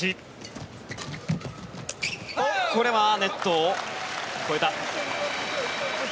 これはネットを越えた。